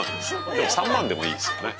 でも３万でもいいですよね。